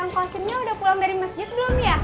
bang kostinnya udah pulang dari masjid belum ya